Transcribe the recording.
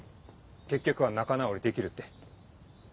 結局は仲直りできるって。